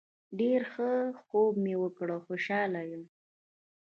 ډیر ښه خوب مې وکړ خوشحاله یم